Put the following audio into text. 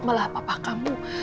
malah papa kamu